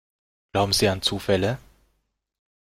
Glauben Sie an Zufälle?